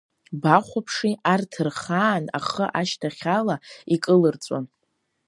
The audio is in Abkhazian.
Бахәаԥши, арҭ рхаан ахы ашьҭахьала икылырҵәон.